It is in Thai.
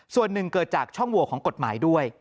ส่วนหนึ่งเกิดจากช่องโหวของกฎหมายด้วย